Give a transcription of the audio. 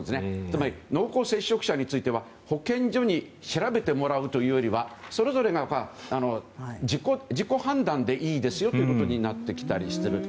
つまり、濃厚接触者については保健所に調べてもらうというよりはそれぞれが自己判断でいいですよということになってきたりしてる。